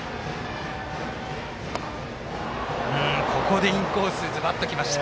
ここでインコースズバッときました。